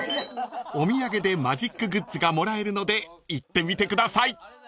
［お土産でマジックグッズがもらえるので行ってみてください］